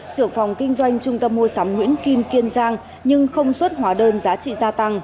trưởng phòng kinh doanh trung tâm mua sắm nguyễn kim kiên giang nhưng không xuất hóa đơn giá trị gia tăng